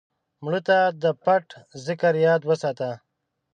مړه ته د پټ ذکر یاد وساته